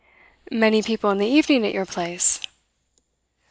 "Many people in the evening at your place?"